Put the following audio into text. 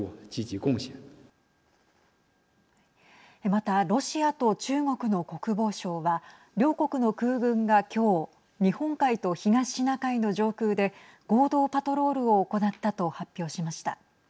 またロシアと中国の国防相は両国の空軍が、きょう日本海と東シナ海の上空で合同パトロールを行ったと発表しました。